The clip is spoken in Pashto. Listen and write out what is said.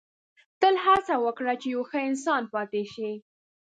• تل هڅه وکړه چې یو ښه انسان پاتې شې.